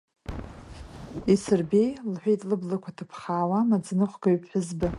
Исырбеи, – лҳәеит, лыблақәа ҭыԥхаауа, амаӡаныҟәгаҩ ԥҳәызба.